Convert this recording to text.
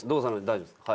大丈夫ですか？